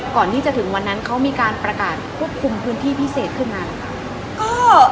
ก่อนที่จะถึงวันนั้นเขามีการประกาศควบคุมพื้นที่พิเศษขึ้นมาหรือคะ